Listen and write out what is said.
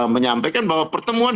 menyampaikan bahwa pertemuan